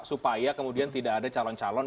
supaya kemudian tidak ada calon calon